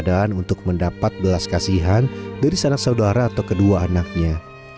keadaan untuk mendapat belas kasihan dari sanak saudara atau kedua anaknya